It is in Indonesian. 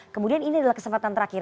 kemudian ini adalah kesempatan terakhir